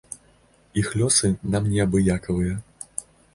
Іх лёсы нам не абыякавыя.